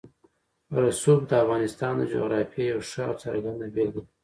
رسوب د افغانستان د جغرافیې یوه ښه او څرګنده بېلګه ده.